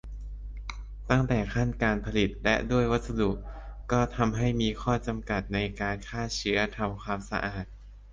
ตั้งแต่ขั้นการผลิต และด้วยวัสดุก็ทำให้มีข้อจำกัดในการฆ่าเชื้อทำความสะอาด